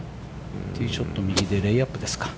ティーショット右でレイアップですか。